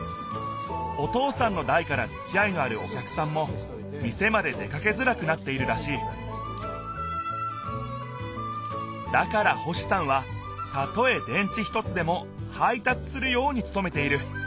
お父さんのだいからつきあいのあるお客さんも店まで出かけづらくなっているらしいだから星さんはたとえ電池一つでも配達するようにつとめている。